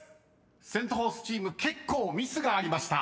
［セント・フォースチーム結構ミスがありました］